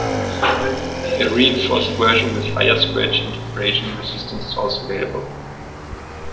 A reinforced version with higher scratch and abrasion resistance is also available.